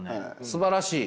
すばらしい。